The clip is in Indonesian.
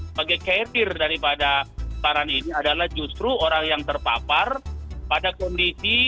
sebagai carrier daripada saran ini adalah justru orang yang terpapar pada kondisi